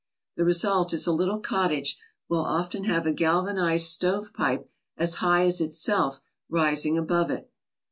The result is a little cottage will often have a galvanized stovepipe as high as itself rising above it.